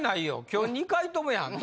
今日２回ともやん。